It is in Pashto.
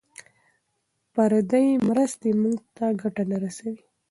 پردۍ مرستې موږ ته ګټه نه رسوي.